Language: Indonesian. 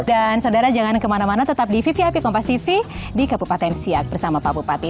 dan saudara jangan kemana mana tetap di vvip kompas tv di kabupaten siak bersama pak bupati